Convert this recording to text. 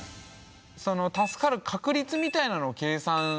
その助かる確率みたいなのを計算しました。